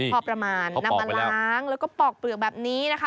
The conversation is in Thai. พอประมาณนำมาล้างแล้วก็ปอกเปลือกแบบนี้นะคะ